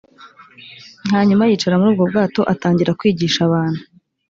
hanyuma yicara muri ubwo bwato atangira kwigisha abantu